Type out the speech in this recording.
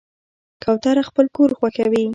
کوتره خپل کور خوښوي.